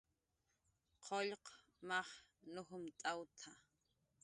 "Qullq maj nujmt'awt""a"